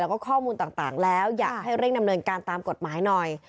แล้วก็ข้อมูลต่างแล้วอยากให้เร่งดำเนินการตามกฎหมายหน่อย